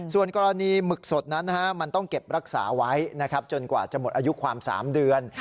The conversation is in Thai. ส่วนกรณีหมึกสดนั้นมันต้องเก็บรักษาไว้จนกว่าจะหมดอายุความ๓เดือน